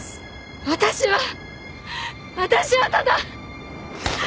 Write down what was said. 私は私はただ！